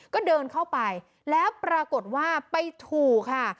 ก็เดินเข้าไปแล้วปรากฏว่าไปถูกค่ะ